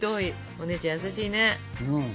お姉ちゃん優しいね。